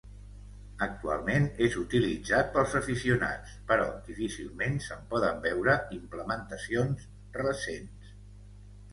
Actualment és utilitzat pels aficionats, però difícilment se'n poden veure implementacions recents.